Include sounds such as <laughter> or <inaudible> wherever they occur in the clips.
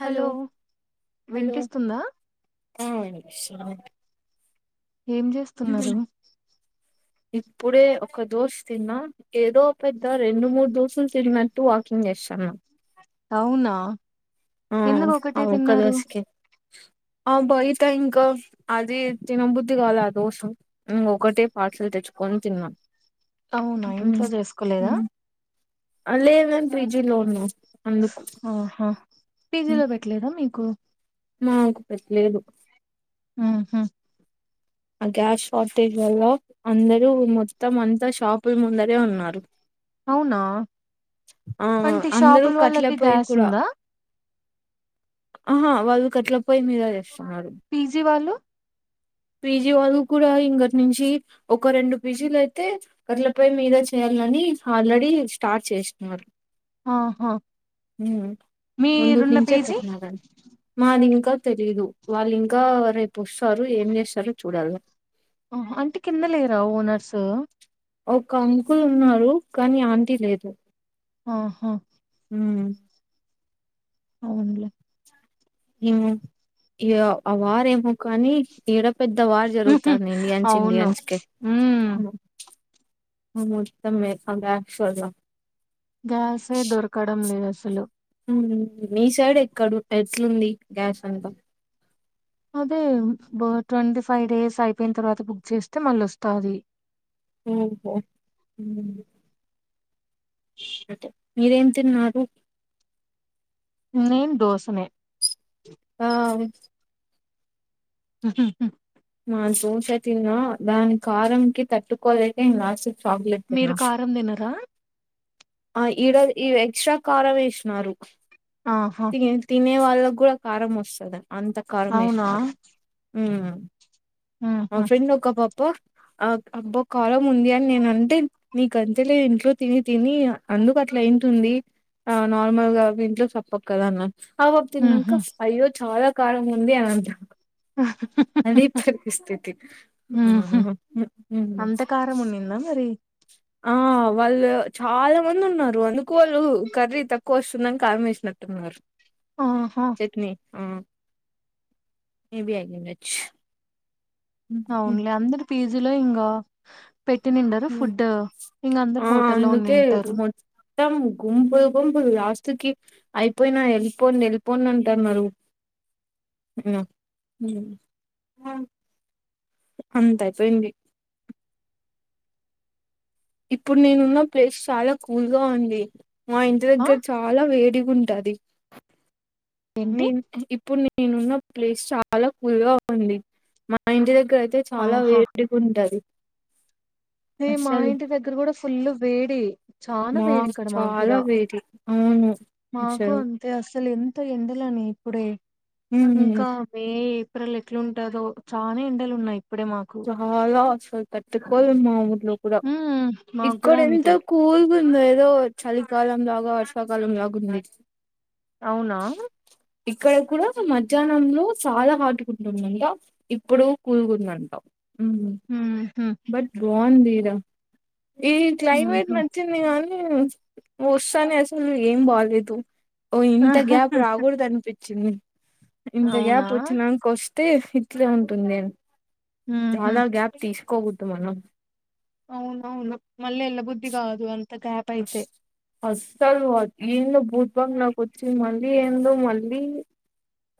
Hello hello వినిపిస్తుందా ఆ ఏం చేస్తున్నారు ఇప్పుడే ఒక దోసు తిన్నాం ఏదో పెద్ద రెండు మూడు దోసులు తిన్నట్టు వాకింగ్ చేస్తుాన్నా అవునా ఆ ఎందుకు అ ఒకటే ఒక్క తిన్నారు దొస్కే ఆ బయట ఇంకా అది తినబుద్ధి కాలా ఆ దోస ఇంక ఒకటే పార్సల్ తె కొని తిన్నాం అవునా ఇంట్లో చేసుకోలేదా అ లే మ పిజీ లో ఉన్నం ఆహా పిజ్జిలో పెట్టలేదా మీకు మాకు పెట్టలేదు ఆ హా ఆ గ్యాస్ షార్టేజ్ వల్ల అందరూ మొత్తం అంతా షాపుల ముందరే ఉన్నారు అవునా ఆ అంటే అందరూ షాపుల వాళ్ళకి కట్లపోయి గ్యాస్ కూడా ఉందా ఆహా వాళ్ళు కట్ల పోయి మీదజేస్త పిజీ వాళ్ళు పీజీ వాళ్ళు కూడా ఇంకటి నుంచి ఒక రెండు పీజీలు అయితే అట్లపై మీద చేయాలి అని ఆల్రెడీ స్టార్ట్ చేసిన్నారు ఆహా హ ముంద మీరున్న నిమింషే పీజీ పెట్నదంత మాదివ ఇంకా తెలీదు వాళ్ళు ఇంకా రేపు వస్తారు ఏం చేస్తారుో చూడాలి ఆ అంటే కింద లేరా ఓనర్స్ ఒక అంకుల్ ఉన్నారు కానీ ఆంటీ లేదు ఆహా ఉ అవునులే ఏమో ఆ వారేమో కానీ ఏడ పెద్ద వార్ ఉహు జరుగుతంది ఇండియన్స్ అవును ఇండియన్స్ కే ఉమ్ త మొత్తం కేబక్ సలో గ్యాసే దొరకడం లేదు అసలు మీ సైడ్ ఎక్కడు టెర్స్లు ఉంది గ్యాస్ అంతా అదే ట్వంటీ ఫైవ్ డేస్ అయిపోయిన తర్వాత బుక్ చేస్తే మళ్ళ వస్తాది ఓహో ఉ అదే మీరేం తిన్నారు నేను దోసనే ఆ హు నా చూసే తిన్నా దాని కారం కి తట్టుకోలేక శ చాగలె తనా మీరు కారం తినరా ఆ ఈడ ఈ ఎక్స్ట్రా కారం వేసినారు ఆహా తిన అ వాళ్ళకు కూడా కారం వస్తది అంత కారం అవునా వేసినారు ఉమ్ మా ఆహా ఫ్రెండ్ ఒక పాప అబ్బ ఆ అబ్బో కారం ఉంది అని నేన అంటే నీకు అంతేలే ఇంట్లో తిని తిని అందుకు అట్లా అయింటుంది ఆ నార్మల్ గా ఇంట్లో సప్పగ కదా అన్న కబాబ్ తిన్నాంక ఉహు అయ్యో చాలా కారంగా ఉంది అనంట అదే పరిస్థితి ఉహు వామ్మో అంత కారం ఉన్నిందా మరి ఆ వాళ్ళు చాలా మంది ఉన్నారు అందుకు వాళ్ళు కర్రీ తక్కువ వస్తుందని కారం వేసినట్టున్నారు ఆహా చట్నీ ఆ మేబి అయిండచ్చు అవునులే అందరు పీజీలో ఇంగా పెట్టి నిండరు ఫుడ్ ఇంక అందరు ఆ హోటల్ లో అందుకే ఉన్నింటారు మొత్తం గుంపులు గుంపులు లాస్ట్ కి అయిపోయినాయి వెళ్ళిపోండి వెళ్ళిపోండి అంటన్నారు అ ఉమ్ ఉమ్ అంత అయిపోయింది ఇప్పుడు నేనున్న ప్లేస్ చాలా కూల్ గా ఉంది మా ఇంటి ఆ దగ్గర చాలా వేడి ఉంటది ఏంటి నేను ఇప్పుడు నే నేనున్న ప్లేస్ చాలా కూల్ గా ఉంది మా ఇంటి దగ్గర ఇక్కడ అయితే చాలా ఆహా వేడిగ ఉంటది మే మా అసలు ఇంటి దగ్గర కూడా ఫుల్ వేడి చానా మా వేడి ఇక్కడ మాకు చాలా కూడా వేడి అవును మాకు అసలు అంతే అసలు ఎంత ఎండలని ఇప్పుడే ఉమ్, ఇంకా మే ఏప్రిల్ ఎట్లుంటదో చాలా ఎండలు ఉన్నాయి ఇప్పుడే మాకు చాలా అసలు తట్టుకోలేం మనము లో కూడా ఉమ్ మాకు ఇక్కడ కూడా ఎంత అంతే కూల్గా ఉంద ఏదో చలికాలం వర్షాకాలం లాగా ఉంది అవునా ఇక్కడ కూడా మధ్యాహ్నంలో చాలా హాట్ గా ఉంటుందంట ఇప్పుడు కూల్ గా ఉందంట ఉమ్ ఉహు బట్ బాగుంది ఈడ ఈ క్లైమేట్ ఉహు నచ్చింది కానీ వస్తానే అసలు ఏం బాలేదు ఓ ఇంత గ్యాప్ రాకూడదు అనిపించింది ఇంత అవునా గ్యాప్ వచ్చినంక వ స్తే ఇట్లే ఉంటుంది నేను ఉహు చాలా గ్యాప్ తీసుకోవద్దు మనం అవునవును మళ్ళీ ఎల్లబుద్ధి కాదు అంత గ్యాప్ అయితే అస్- అస్సలు ఏందో భూత్ బంగ్లాకు వచ్చి మళ్ళీ ఏందో మళ్ళీ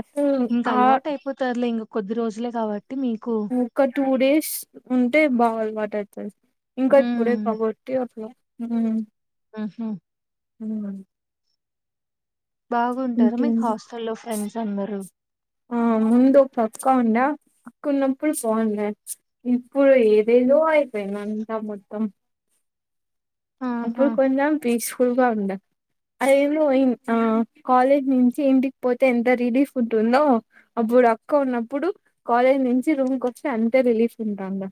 అసలు ఇంక ఆ అలవాటు అయిపోతారులే ఇంక కొద్ది రోజులే కాబట్టి మీకు ఒక టూ డేస్ ఉంటే బాగ అలవాటు అయితది ఇంకా ఇప్పుడే కాబట్టి అట్లా ఉమ్ ఆహు ఉ బాగుంటారు మీకు ఇంకేంటి హాస్టల్లో ఫ్రెండ్స్ అందరూ ఆ ముందు పక్క ఉండా అక్క ఉన్నప్పుడు బాఉండే ఇప్పుడు ఏదేదో అయిపోయింది అంతా మొత్తం ఆహా అప్పుడు కొంచెం పీస్ ఫుల్ ఉంటా అదేమో ఇన్ ఆ కాలేజ్ నుంచి ఇంటికి పోతే ఎంత రిలీఫ్ ఉంటుందో అ ఇప్పుడు అక్క ఉన్నప్పుడు కాలేజ్ నుంచి రూమ్ కి వస్తే అంతే రిలీఫ్ ఉంటాండా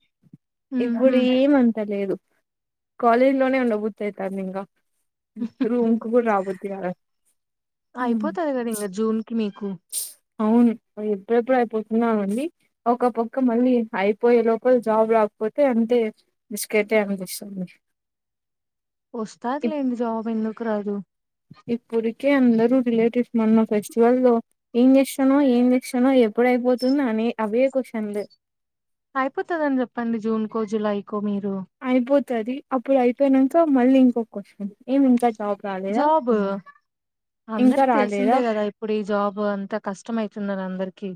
ఇప్పుడు ఉహు ఏమంత లేదు కాలేజ్ లోనే ఉండబుద్ధి అయితాంది ఇంకా రూమ్ కు కూడా రా బుద్ధి కాదు అయిపోతది కదా ఇంక జూన్ కి మీకు అవును ఎప్పుడెప్పుడు అయిపోతుందా అని ఉంది ఒక పక్క మళ్ళీ అయిపోయే లోపల జాబ్ రాక పోతే కపోతే అంతే బిస్కెటే అనిపిస్తుంది వస్తాదిలేండి జాబ్ ఎందుకు రాదు ఇప్పుడుకే అందరు రిలేటివ్స్ మొన్న ఫెస్టివల్ లో ఏం చెస్తానవ్ ఏం చేస్తానవ్ ఎప్పుడయి అయిపోతుందని అవే కొషన్లు అయిపోతదని చెప్పండి జూన్కో జులైకో మీరు పోతాది అప్పుడు అయిపోయినంక మళ్ళీ ఇంకో కొషన్ ఏమి ఇంకా జాబ్ రాలేదా జాబ్ అని ఇంకా అందరికి రాలేదా తెలిసిందే కదా ఇప్పుడు ఈ జాబ్ అంతా కష్టం కష్టం అయితుందని అందరికీ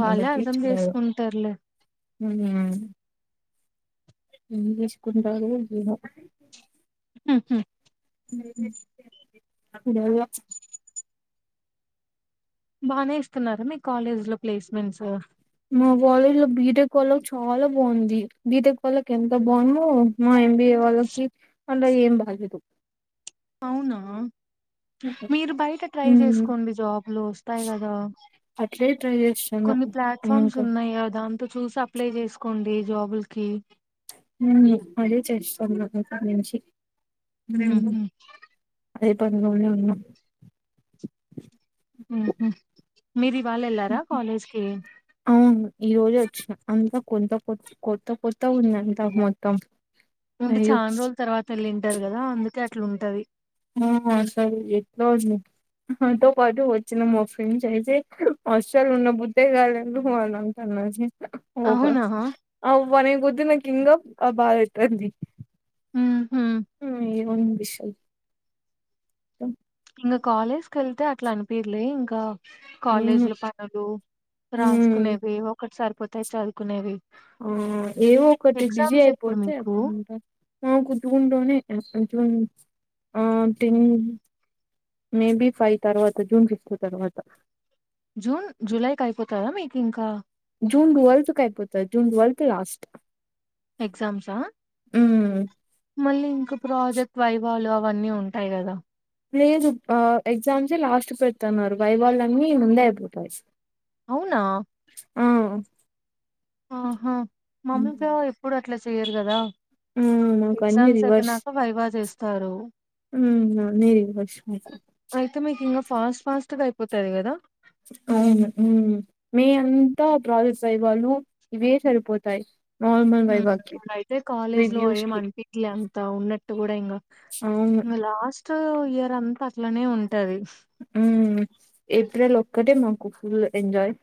వాళ్ళే అర్థం చేసుకుంటారులే <unintelligible> ఏం చేసుకుంటాడో ఏమో ఉహు లేదేమో లేదుగా <unintelligible> బానే ఇస్తున్నారా మీ కాలేజ్ లో ప్లేస్మెంట్స్ మా కాలేజీలో బీటెక్ వాళ్లకి చాల బాగుంది బీటెక్ వాళ్లకి ఎంత బావుందొ మయి ఎంబిఏ వాళ్ళకి అంత ఏం బాలేదు అవునా మీరు బయట ట్రై మ్మ్ చేసుకోండి జాబ్లు వస్తాయి కదా అట్లే ట్రై చేస్తాను కొన్ని ప్లాట్ఫామ్స్ ఇంకా ఉన్నాయి గా దాంతో చూసి అప్లై చేసుకోండి జాబుల్ కి ఉ అదే చేస్తున్న ఇప్పటినుంచి ఉహు అదే పనిలోనే ఉన్నం ఆహా మీది ఉహు అవును ఈ రోజే వచ్చిన అంతా కోన్ తా కొత్ కొత్త కొత్త గా ఉంది అంత మొత్తం ఉంటే అయ్యో చాన్ రోజుల తర్వాత వెళ్ళింటారు కదా అందుకే అట్లా ఉంటది ఆ అసలు ఎట్లో ఉంది నాతో పాటు వచ్చిన మా ఫ్రెండ్స్ అయితే అసలు ఉండబుద్దే కాలేదు అని అంటున్నారు ఓబ అవునా అవ్వ రేపొద్దున నాకు ఇంకా బాధ అయితాంది ఉహు ఉ ఏమనిపిస్తది తో ఇంక కాలేజ్ కెళ్తే అట్లా అనిపిదులే ఇంకా అవును కాలేజీలో పనులు ఉమ్ రాసుకునేవి ఒకటి సరిపోతాయి చదువుకునేవి ఆ ఏవో ఒకటి బిజీ ఎగ్జామ్స్ ఎప్పుడు అయిపోతే మీకు అప్పుడు ఉంటాది మాకు జూన్ లోనే ఉ ఆ టిన్ మే బి ఫైవ్ తరువాత జూన్ ఫిఫ్త్ తరువాత జూన్ జూలైకి అయిపోతదా మీకి ఇంకా జూన్ ట్వెల్త్కియిపోతది జూన్ ట్వెల్త్ లాస్ట్ ఎగ్జామ్స్ ఆ ఉమ్ మళ్ళీ ఇంకా ప్రాజెక్ట్ వైవాలు అవన్నీ ఉంటాయి కదా లేదు ఆ ఎగ్జామ్స్ ఏ లాస్ట్ పెడుతున్నారు వైవాలన్నీ ముందే అయిపోతాయి అవునా ఆ ఆహా మామూలుగా ఎప్పుడు అట్లా చేయరు కదా ఉమ్ మాకు అన్ని ఎగ్జామ్స్ రివర్స్ అయిపోయినాక వైవా చేస్తారు ఉమ్ ఉన్నీలే <unintelligible> అయితే మీకు ఇంకా ఫాస్ట్ ఫాస్ట్ గా అయిపోతది కదా అవును ఉమ్ మే అంతా ప్రాజెక్ట్స్ వైవాలు ఇవే సరిపోతాయి నార్మల్ ఉమ్ వైవాకి మళ్ళా అయితే కాలేజ్ లో రివ్యూస్ ఏం కి అనిపీదులే అంత ఉన్నట్టు కూడా ఇంకా అవును ఇంగ లాస్ట్ ఇయర్ అంతా అట్లనే ఉంటది ఉమ్ ఏప్రిల్ ఒక్కటే మాకు ఫుల్ ఎంజాయ్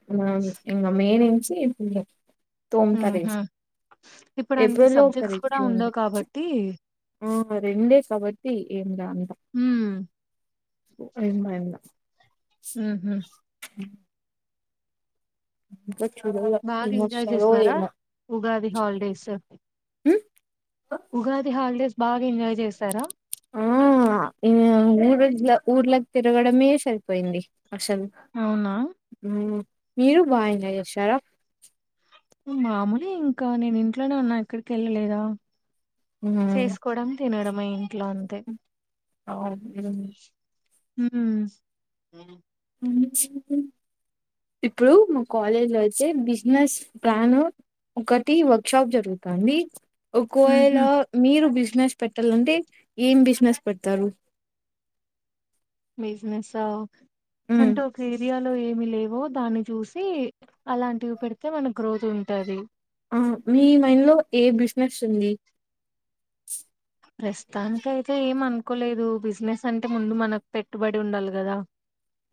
ఇంకా మే నుంచి ఏమి ఉండవు తోముతారు ఊహూ ఎసి ఇప్పుడు అంత ఏప్రిల్ లో ఒక సబ్జెక్ట్స్ కూడా రెజ్యూంది ఉండవు కాబట్టి ఆ రెండే కాబట్టి అ ఏం లామి ఉమ్ ఏం బయం లా ఉహుమ్ ఇంకా చూడుల బాగా ఎవరు ఎంజాయ్ వస్తారు చేసినారా ఏమో ఉగాది హాలిడేస్ ఉమ్ ఉగాది హాలిడేస్ బాగా ఎంజాయ్ చేశారా ఆ ఊరుద్ల ఊర్లాకి తిరుగడమే సరిపోయింది అసలు అవునా మీరు బాగా ఎంజాయ్ చేసారా మామూలు ఇంకా నేను ఇంట్లోనే ఉన్నా ఎక్కడికి వెళ్ళలేదా హ్మ్ చేసుకోవడం తినడం మా ఇంట్లో అంతే ఆ ఉహుమ్ హమ్ ఇప్పుడు మా కాలేజ్ లో అయితే బిజినెస్ ప్లాన్ ఒకటి వర్క్ షాప్ జరుగుతుంది ఒకవేళ మీరు బిజినెస్ పెట్టాలంటే ఏం బిజినెస్ పెడతారు బిజినెస్ ఆ ఉమ్ అంటే ఒక ఏరియా లో ఏమి లేవో దాన్ని చూసి అలాంటివి పెడితే మనకు గ్రోత్ ఉంటది ఆ మీ మైండ్ లో ఏ బిజినెస్ ఉంది ప్రస్తుతానికి అయితే ఏం అనుకోలేదు బిజినెస్ అంటే ముందు మనకు పెట్టుబడి ఉండాలి కదా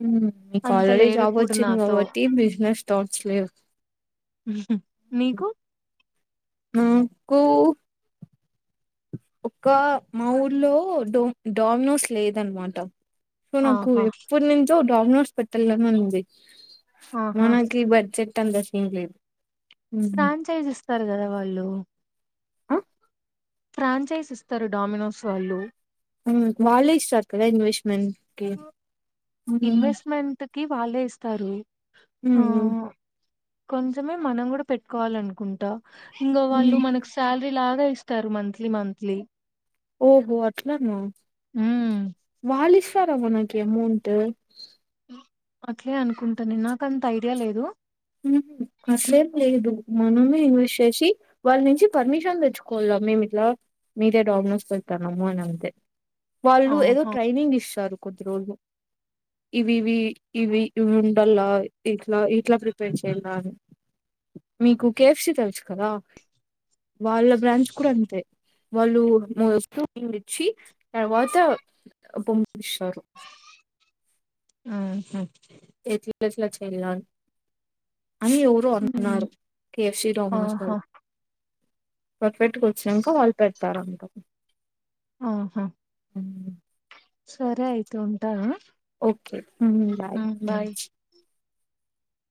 ఉమ్ మీకు అంత అల్ రెడి లేరు జాబ్ ఇప్పుడు వచ్చింది నాతో కాబట్టి బిజినెస్ తో అవసర లేదు ఉహుమ్ మీకు అకు ఒక్క మా ఊర్లో డో డోమినోస్ లేదన్నమాట సో నాకు ఆహా ఎప్పటి నుంచో డామినోస్ పెట్టలని ఉంది ఆహా మనకి బడ్జెట్ అంత సీన్ లేదు ఉమ్. ఫ్రాంచైజ్ ఇస్తారు కదా వాళ్ళు ఆ ఫ్రాంచైజ్ ఇస్తారు డామినోస్ వాళ్ళు ఉమ్ వాళ్ళే ఇస్తారు కదా ఇన్వెస్ట్మెంట్ కి హ్మ్ ఇన్వెస్ట్మెంట్ కి వాళ్ళే ఇస్తారు ఆ హ్మ్ కొంచమే మనం కూడా పెట్టుకోవాలి అనుకుంటా ఇంకా వాళ్ళు హ్మ్ మనకు శాలరీ లాగా ఇస్తారు మంత్లీ మంత్లీ ఓహో అట్లానా ఉమ్ వాళ్ళ ఇస్తా ఇస్తారా మనకి ఏమౌంట్ అట్లే అనుకుంటాను నాకు అంత ఐడియా లేదు ఉహుమ్ అసలేం లేదు మనమే ఇన్వస్ట్ చేసి వాళ్ళ నుంచి పర్మిషన్ తెచ్చుకోవలా మేము ఇట్లా వాళ్ళు ఏదో ఆహా ట్రైనింగ్ ఇస్తారు ఇవి ఇవి ఇవి ఇవి ఉండల్లా ఇట్లా ఇట్లా మీకు కేఎఫ్సి తెలుసు కదా వాళ్ళ బ్రాంచ్ కూడా అంతే వాళ్ళు వస్తువు కింద ఇచ్చి తర్వాత వాటా పంపిస్తారు ఆహా ఎట్లా ఎట్లా చేయి ఇలా కాదు అని ఎవరో ఉమ్ అన్నారు కేఎఫ్సి డామినోస్ ఆహా వాళ్ళు పర్ఫెక్ట్ గా వచ్చాక వాళ్ళు పెడతారంట ఆహా సరే అయితు ఉంటా ఓకే బాయ్